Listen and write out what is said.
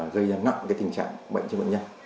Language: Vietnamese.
gây ra nặng tình trạng bệnh cho bệnh nhân